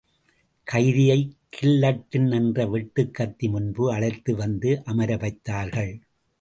கைதியை கில்லட்டின் என்ற வெட்டுக் கத்தி முன்பு அழைத்து வந்து அமரவைத்தார்கள்.